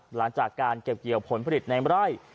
หลังจากการเก็บเกี่ยวผลผลิตในไร่